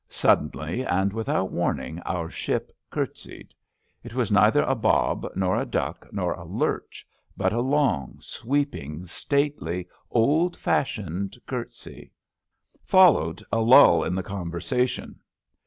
Suddenly and without warning our ship curtsied. It was neither a bob nor a duck nor a lurch, but a long, sweeping, stately old fashioned curtsy. Followed a lull in the conversation.